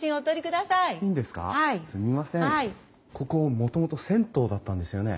ここもともと銭湯だったんですよね？